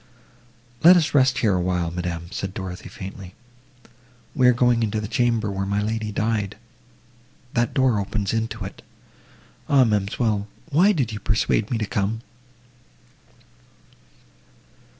"Let us rest here awhile, madam," said Dorothée faintly, "we are going into the chamber, where my lady died! that door opens into it. Ah, ma'amselle! why did you persuade me to come?"